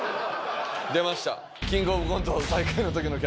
出ました。